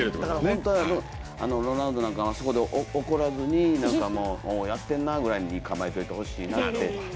本当はロナウドなんかもあそこで怒らずにやってんなぐらいに構えていてほしいなって。